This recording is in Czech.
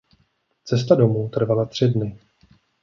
Cesta domů trvala tři dny.